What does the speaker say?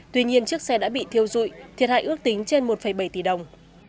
tuy nhiên chiếc xe đã bị thiêu dụi thiệt hại ước tính trên một bảy tỷ đồng